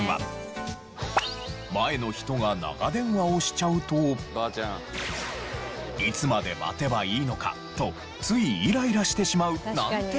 前の人が長電話をしちゃうといつまで待てばいいのかとついイライラしてしまうなんて事も。